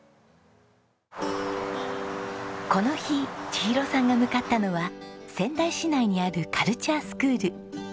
この日千尋さんが向かったのは仙台市内にあるカルチャースクール。